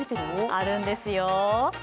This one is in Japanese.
あるんですよ。